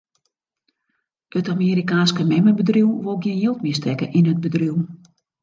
It Amerikaanske memmebedriuw wol gjin jild mear stekke yn it bedriuw.